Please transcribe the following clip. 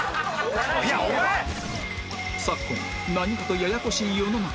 昨今何かとややこしい世の中